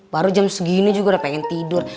baru jam segini juga udah pengen tidur